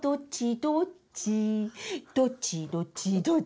「どっちどっちどっちどっち」